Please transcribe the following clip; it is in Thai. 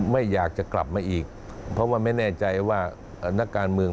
ไม่อยากจะกลับมาอีกเพราะว่าไม่แน่ใจว่านักการเมือง